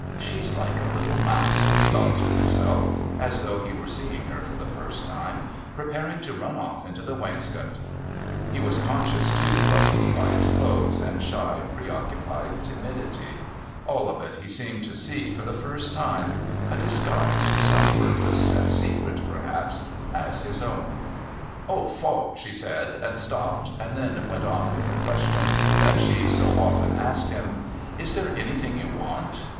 "She's like a little mouse," he thought to himself, as though he were seeing her for the first time, "preparing to run off into the wainscot" He was conscious, too, of her quiet clothes and shy preoccupied timidity all of it he seemed to see for the first time, a disguise for some purpose as secret, perhaps, as his own. "Oh, Falk," she said, and stopped, and then went on with the question that she so often asked him: "Is there anything you want?"